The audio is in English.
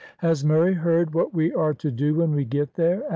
"Has Murray heard what we are to do when we get there?"